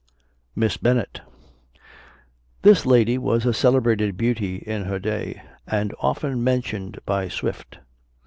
MISS BENNET. This lady was a celebrated beauty in her day, and often mentioned by Swift.